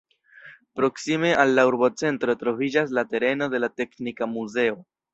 Proksime al la urbocentro troviĝas la tereno de la teknika muzeo.